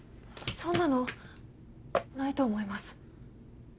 そんなのないと思います